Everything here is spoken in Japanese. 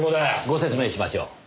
ご説明しましょう。